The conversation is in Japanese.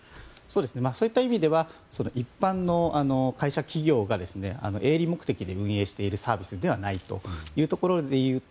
そういった意味では一般の会社企業が営利目的で運営しているサービスではないというところで言うと